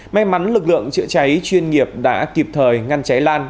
may mắn lực lượng chữa cháy chuyên nghiệp đã kịp thời ngăn cháy lan